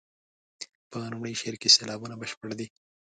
په لومړي شعر کې سېلابونه بشپړ دي.